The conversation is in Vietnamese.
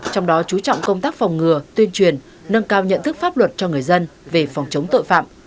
trong đó chú trọng công tác phòng ngừa tuyên truyền nâng cao nhận thức pháp luật cho người dân về phòng chống tội phạm